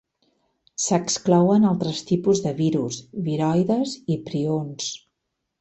S'exclouen altres tipus de virus, viroides i prions.